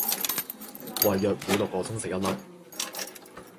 胃藥每六個鐘食一粒